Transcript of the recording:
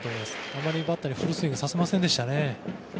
あまりバッターにフルスイングさせませんでした。